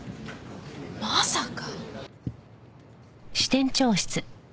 まさか！